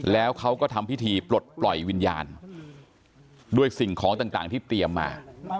แล้วเขาก็ทำพิธีปลดปล่อยวิญญาณด้วยสิ่งของต่างที่เตรียมมา